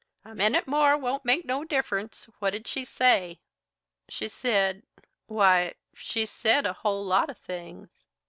"A minute more won't make no difference. What did she say?" "She said why, she said a whole lot of things.